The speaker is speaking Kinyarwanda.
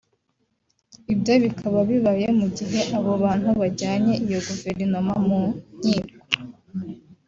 Ibyo bikaba bibaye mu gihe abo bantu bajyanye iyo guverinoma mu nkiko